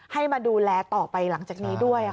ให้มาดูแลต่อไปหลังจากนี้ด้วย